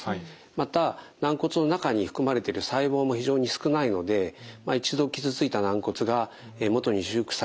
また軟骨の中に含まれている細胞も非常に少ないので一度傷ついた軟骨が元に修復されることは期待できません。